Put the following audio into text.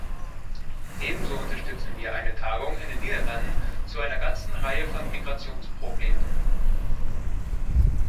Ebenso unterstützen wir eine Tagung in den Niederlanden zu einer ganzen Reihe von Migrationsproblemen.